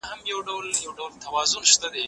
کتاب واخله،